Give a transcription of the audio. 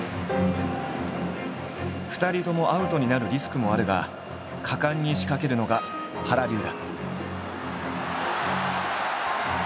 ２人ともアウトになるリスクもあるが果敢に仕掛けるのが原流だ。